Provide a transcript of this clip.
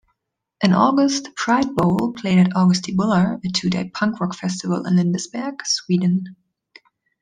In August Pridebowl played at Augustibuller, a two-day punk rock festival in Lindesberg, Sweden.